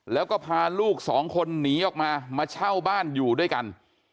แล้วก็พาลูกสองคนหนีออกมามาเช่าบ้านอยู่ด้วยกัน